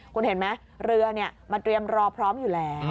คุณเห็นมั้ยเรือเนี่ยมาเตรียมรอพร้อมอยู่แล้ว